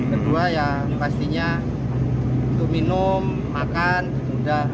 kedua ya pastinya untuk minum makan mudah